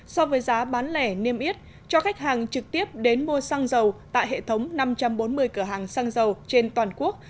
so với giá bán lẻ niêm yết cho khách hàng trực tiếp đến mua xăng dầu tại hệ thống năm trăm bốn mươi cửa hàng xăng dầu trên toàn quốc